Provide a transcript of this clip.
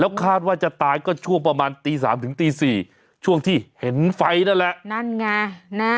คาดว่าจะตายก็ช่วงประมาณตีสามถึงตีสี่ช่วงที่เห็นไฟนั่นแหละนั่นไงนะ